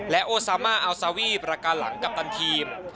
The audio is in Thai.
โอซามาอัลซาวีประการหลังกัปตันทีม